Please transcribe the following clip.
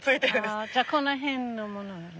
ああじゃあこの辺のものよね。